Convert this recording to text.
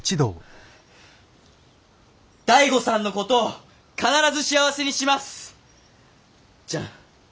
醍醐さんの事を必ず幸せにします！じゃん。